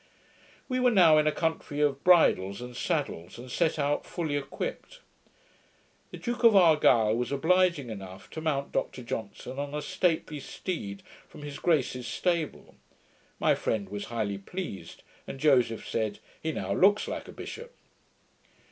We were now 'in a country of bridles and saddles', and set out fully equipped. The Duke of Argyle was obliging enough to mount Dr Johnson on a stately steed from his grace's stable. My friend was highly pleased, and Joseph said, 'He now looks like a bishop.'